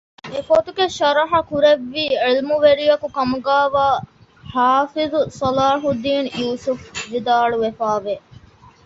އެ ފޮތުގެ ޝަރަޙަކުރެއްވި ޢިލްމުވެރިޔަކުކަމުގައިވާ ޙާފިޡު ޞަލާޙުއްދީނު ޔޫސުފު ވިދާޅުވެފައިވެ